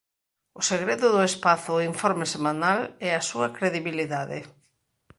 O segredo do espazo "Informe Semanal" "é a súa credibilidade"